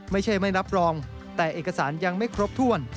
ไม่ใช่ไม่รับรองแต่เอกสารยังไม่ครบถ้วน